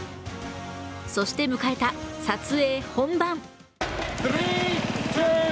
そして迎えた撮影本番。